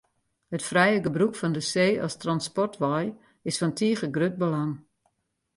It frije gebrûk fan de see as transportwei is fan tige grut belang.